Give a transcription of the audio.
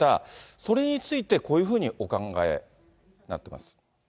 それについてこういうふうにお考えになってます。